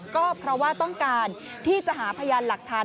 ก็เพราะว่าต้องการที่จะหาพยานหลักฐาน